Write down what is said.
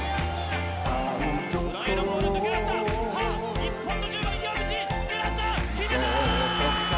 日本の１０番、岩渕狙った！